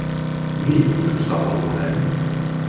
Wie moeten stappen ondernemen?